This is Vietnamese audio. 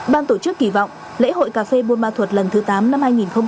ban tổ chức kỳ vọng lễ hội cà phê buôn ma thuật lần thứ tám năm hai nghìn hai mươi